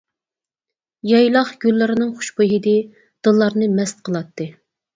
يايلاق گۈللىرىنىڭ خۇشبۇي ھىدى دىللارنى مەست قىلاتتى.